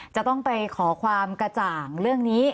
จะต้องไปขอความกระจ่างเรื่องนี้